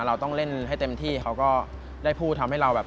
เราต้องเล่นให้เต็มที่เขาก็ได้พูดทำให้เราแบบ